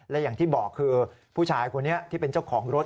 และอย่างที่บอกคือผู้ชายคนนี้ที่เป็นเจ้าของรถ